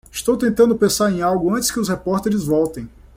Estou tentando pensar em algo antes que os repórteres voltem.